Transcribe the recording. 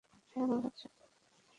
হ্যাঁঁ আমার বাচ্চা।